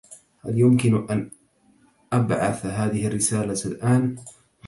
هل يمكن أن أبعث هذه الرسالة الآن؟